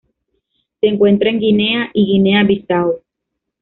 Se encuentra en Guinea y Guinea-Bissau.